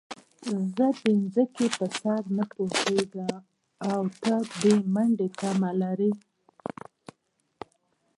زه د ځمکې پر سر نه پوهېږم او ته د منډې تمه لرې.